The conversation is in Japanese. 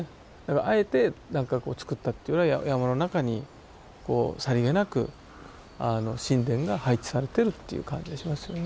あえて何かこう作ったっていうよりは山の中にさりげなく神殿が配置されてるっていう感じがしますよね。